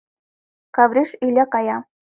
Кавриш Иля кая.